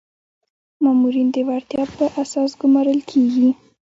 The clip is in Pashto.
مامورین د وړتیا په اساس ګمارل کیږي